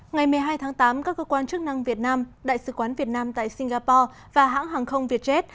ngày một mươi hai tháng tám các cơ quan chức năng việt nam đại sứ quán việt nam tại singapore và hãng hàng không vietjet